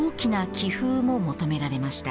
気風も求められました。